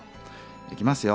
いきますよ。